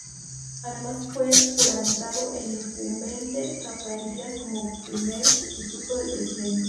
Además, fue juramentado el incumbente Rafael Díaz como Primer Sustituto del presidente.